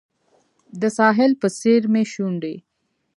د ساحل په څیر مې شونډې